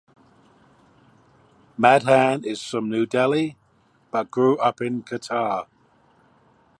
Madhan is from New Delhi but grew up in Qatar.